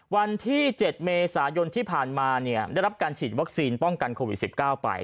วันที่๗เมษายนที่ผ่านมาได้รับการฉีดวัคซีนป้องกันโควิด๑๙ไป